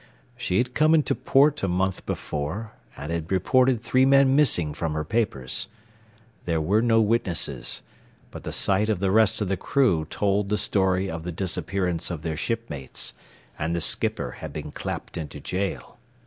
She had come into port a month before and had reported three men missing from her papers. There were no witnesses; but the sight of the rest of the crew told the story of the disappearance of their shipmates, and the skipper had been clapped into jail.